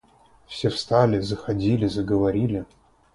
Все встали, заходили, заговорили.